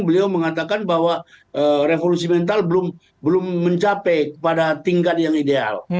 beliau mengatakan bahwa revolusi mental belum mencapai pada tingkat yang ideal